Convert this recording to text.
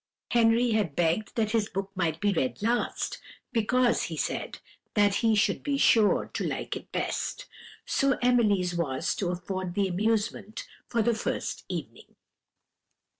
Henry had begged that his book might be read last, because he said that he should be sure to like it best; so Emily's was to afford the amusement for the first evening.